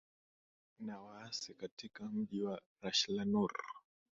na waasi katika mji wa rashlanur